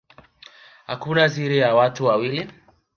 Hakuna siri ya watu wawili